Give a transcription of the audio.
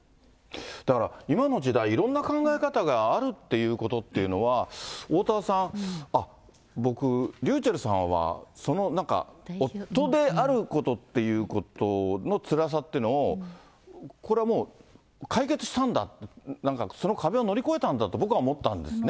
だから今の時代、いろんな考え方があるっていうことっていうのは、おおたわさん、僕、ｒｙｕｃｈｅｌｌさんは、そのなんか、夫であることっていうことのつらさっていうのを、これはもう、解決したんだ、なんかその壁を乗り越えたんだと僕は思ったんですね。